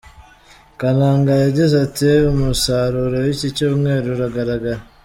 Kananga yagize ati “Umusaruro w’iki cyumweru uragaragara .